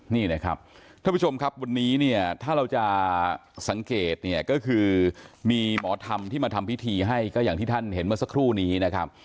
นี่นะครับท่านผู้ชมครับวันนี้เนี่ยถ้าเราจะสังเกตเนี่ยก็คือมีหมอธรรมที่มาทำพิธีให้ก็อย่างที่ท่านเห็นเมื่อสักครู่นี้นะครับ